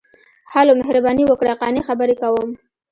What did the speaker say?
ـ هلو، مهرباني وکړئ، قانع خبرې کوم.